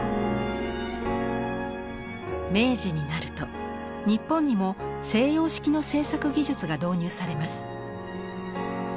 明治になると日本にも西洋式の制作技術が導入されます。